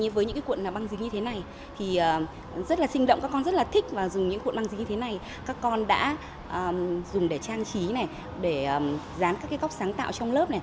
với những cuộn băng dính như thế này các con đã dùng để trang trí để dán các góc sáng tạo trong lớp